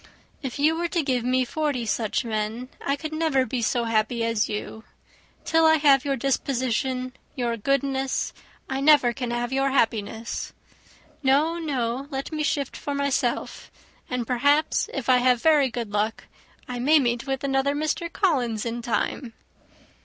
"If you were to give me forty such men I never could be so happy as you. Till I have your disposition, your goodness, I never can have your happiness. No, no, let me shift for myself; and, perhaps, if I have very good luck, I may meet with another Mr. Collins in time."